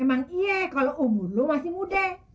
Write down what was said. emang iya kalau umur lu masih muda